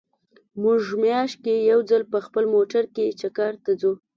مونږ مياشت کې يو ځل په خپل موټر کې چکر ته ځو